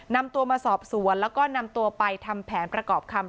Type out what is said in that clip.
นำตัวมาสอบสวนแล้วก็นำตัวไปทำแผนประกอบคำ